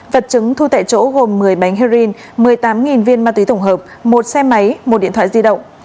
vật chứng thu tại chỗ gồm một mươi bánh heroin một mươi tám viên ma túy tổng hợp một xe máy một điện thoại di động